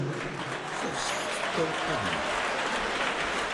Serset-tt ddaw ṭṭabla.